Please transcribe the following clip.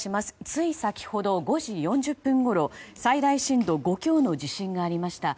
つい先ほど５時４０分ごろ最大震度５強の地震がありました。